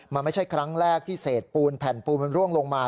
มันไม่ใช่ครั้งแรกที่เศษปูนแผ่นปูนมันร่วงลงมา